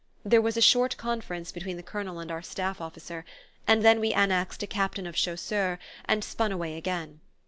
There was a short conference between the Colonel and our staff officer, and then we annexed a Captain of Chasseurs and spun away again.